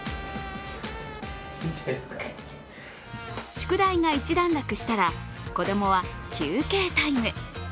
宿題が一段落したら子供は休憩タイム。